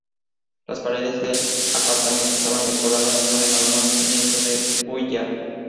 Las paredes del apartamento estaban decoradas con enormes lienzos de Vuillard.